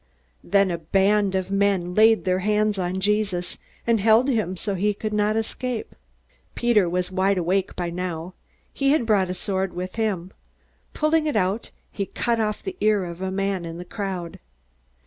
Then a band of men laid their hands on Jesus, and held him so that he could not escape. Peter was wide awake by now. He had brought a sword with him. Pulling it out, he cut off the ear of a man in the crowd.